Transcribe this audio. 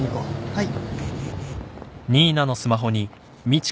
はい。